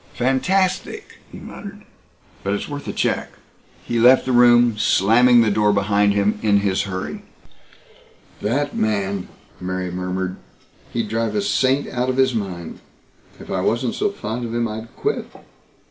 "Fantastic," he muttered, "but it's worth a check." He left the room, slamming the door behind him in his hurry. "That man!" Mary murmured. "He'd drive a saint out of his mind. If I wasn't so fond of him I'd quit.